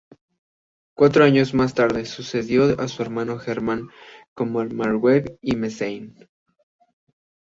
Cuatro años más tarde sucedió a su hermano Germán como margrave de Meissen.